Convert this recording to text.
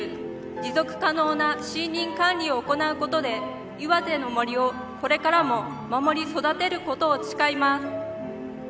持続可能な森林管理を行うことで岩手の森をこれからも守り育てることを誓います。